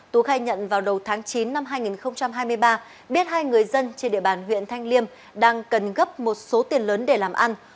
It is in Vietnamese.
tú khai nhận vào đầu tháng chín năm hai nghìn hai mươi ba biết hai người dân trên địa bàn huyện thanh liêm đang cần gấp một số tiền lớn để làm ăn